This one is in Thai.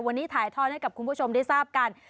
วันนี้ถ่ายทอดให้กับคุณผู้ชมได้ทราบกัน